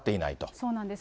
そうなんです。